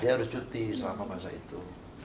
dia harus cuti selama masa itu